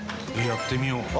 やってみよ。